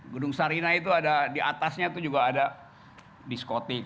gedung sarina itu ada di atasnya itu juga ada diskotik